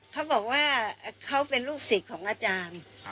เขาบอกว่าเขาเป็นลูกศิษย์ของอาจารย์